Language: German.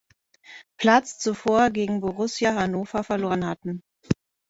Platz zuvor gegen Borussia Hannover verloren hatten.